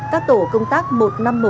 các tổ công tác một trăm năm mươi một